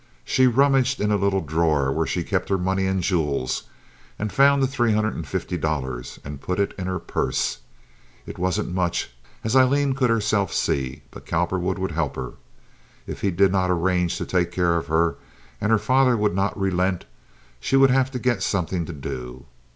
She rummaged in a little drawer where she kept her money and jewels, and found the three hundred and fifty dollars and put it in her purse. It wasn't much, as Aileen could herself see, but Cowperwood would help her. If he did not arrange to take care of her, and her father would not relent, she would have to get something to do.